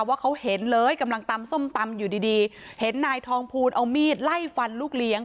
ว่าเขาเห็นเลยกำลังตำส้มตำอยู่ดีดีเห็นนายทองภูลเอามีดไล่ฟันลูกเลี้ยง